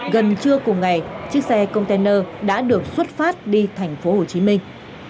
gần trưa cùng ngày chiếc xe container đã được xuất phát đi thành phố hồ chí minh